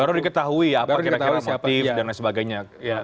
baru diketahui ya apa kira kira motif dan lain sebagainya